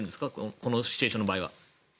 このシチュエーションの場合は。